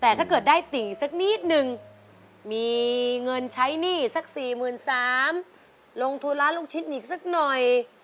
แต่ถ้าเกิดได้ติ่งสักนิดนึงมีเงินใช้หนี้สัก๔๓๐๐ลงทุนร้านลูกชิ้นอีกสักหน่อย